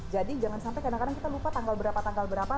jadi jangan sampai kadang kadang kita lupa tanggal berapa tanggal berapa